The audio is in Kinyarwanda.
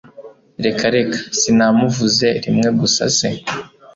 reka reka! sinamuvuze rimwe gusa se!